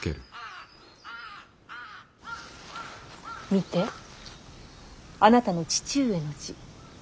見てあなたの父上の字。